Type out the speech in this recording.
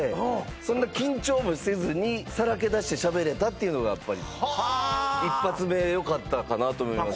そんな緊張もせずにさらけ出してしゃべれたっていうのがやっぱり一発目よかったかなと思います